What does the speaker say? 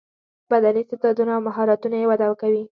بدني استعداونه او مهارتونه یې وده کوي.